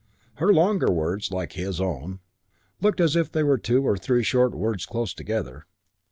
Her longer words, like his own, looked as if they were two or three short words close together.